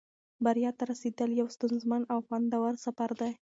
بریا ته رسېدل یو ستونزمن خو خوندور سفر دی.